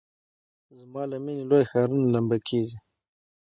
زما له میني لوی ښارونه لمبه کیږي